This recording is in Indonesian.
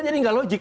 kan jadi gak logik